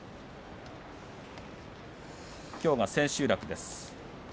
きょうが千秋楽です。